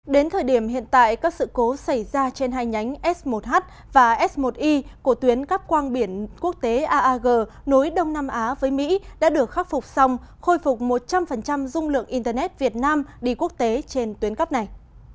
đến thời điểm hiện tại các sự cố xảy ra trên hai nhánh s một h và s một i của tuyến cắp quang biển quốc tế aag nối đông nam á với mỹ đã được khắc phục xong khôi phục một trăm linh dung lượng internet việt nam đi quốc tế trên tuyến cắp này